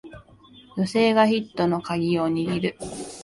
女性がヒットのカギを握る